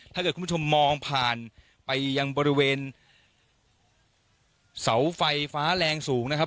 ถ้าเกิดคุณผู้ชมมองผ่านไปยังบริเวณเสาไฟฟ้าแรงสูงนะครับ